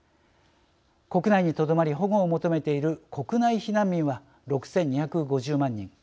国内にとどまり保護を求めている国内避難民は６，２５０万人。